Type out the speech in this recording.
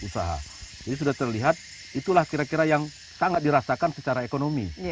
jadi sudah terlihat itulah kira kira yang sangat dirasakan secara ekonomi